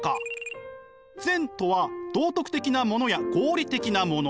善とは道徳的なものや合理的なもの。